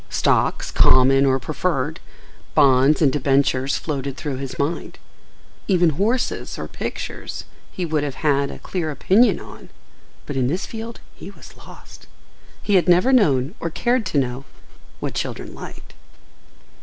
Stocks, "common" or "preferred," bonds and debentures, floated through his mind. Even horses or pictures he would have had a clear opinion on, but in this field he was lost. He had never known, or cared to know, what children liked.